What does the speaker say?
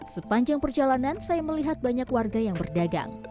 sepanjang perjalanan saya melihat banyak warga yang berdagang